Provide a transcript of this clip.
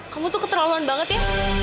kamu tuh keterauan banget ya